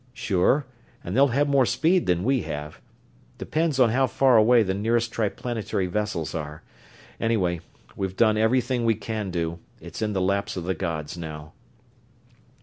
"Sure, and they'll have more speed than we have. Depends on how far away the nearest Triplanetary vessels are. Anyway, we've done everything we can do it's in the laps of the gods now."